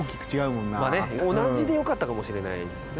同じでよかったかもしれないですね